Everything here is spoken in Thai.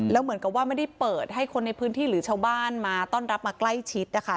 แล้วเหมือนกับว่าไม่ได้เปิดให้คนในพื้นที่หรือชาวบ้านมาต้อนรับมาใกล้ชิดนะคะ